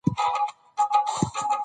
امپایر په بازي کښي منځګړیتوب کوي.